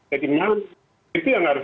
jadi malu itu yang harus